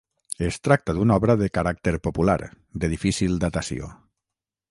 Es tracta d'una obra de caràcter popular, de difícil datació.